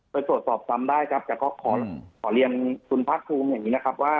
ไปตรวจสอบซ้ำได้ครับแต่ก็ขอเรียนคุณภาคภูมิอย่างนี้นะครับว่า